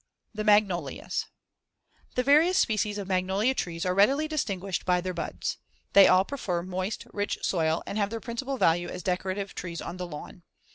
THE MAGNOLIAS The various species of magnolia trees are readily distinguished by their buds. They all prefer moist, rich soil and have their principal value as decorative trees on the lawn.